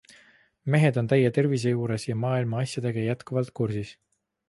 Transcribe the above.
Mehed on täie tervise juures ja maailma asjadega jätkuvalt kursis.